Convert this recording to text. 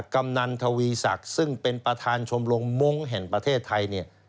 กำนันทวีศักดิ์ซึ่งเป็นประธานชมรมมงค์แห่งประเทศไทยเนี่ย